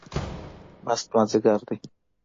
مست مازدیګر دی